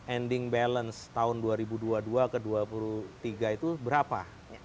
ending balance tahun dua ribu dua puluh dua ke dua puluh tiga itu berapa